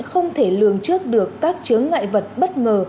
không thể lường trước được các chướng ngại vật bất ngờ